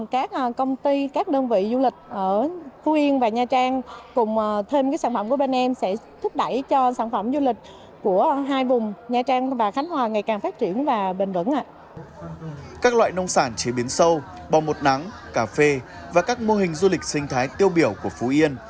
các loại nông sản chế biến sâu bò bột nắng cà phê và các mô hình du lịch sinh thái tiêu biểu của phú yên